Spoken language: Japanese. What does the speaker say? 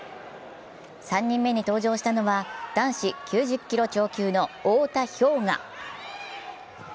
３人目に登場したのは男子９０キロ超級の太田彪雅。